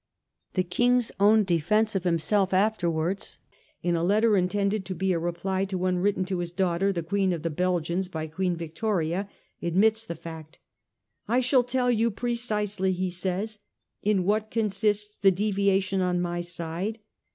The King's own defence of hims elf afterwards, in a letter intended to be a reply to one written to his daughter, the Queen of the Belgians, by Queen Yictoria, admits the fact. 'I shall tell you precisely,' he says, ' in what consists the deviation on my side.